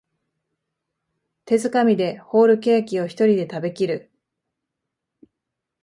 手づかみでホールケーキをひとりで食べきる